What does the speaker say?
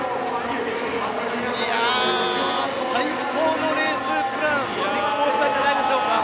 最高のレースプランを実行したんじゃないんでしょうか。